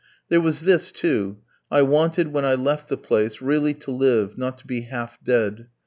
There was this, too: I wanted, when I left the place, really to live, not to be half dead.